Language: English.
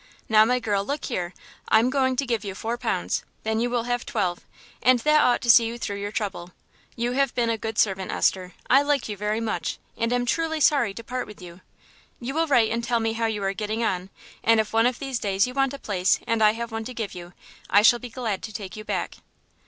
"Now, my girl, look here. I'm going to give you four pounds; then you will have twelve, and that ought to see you through your trouble. You have been a good servant, Esther; I like you very much, and am truly sorry to part with you. You will write and tell me how you are getting on, and if one of these days you want a place, and I have one to give you, I shall be glad to take you back."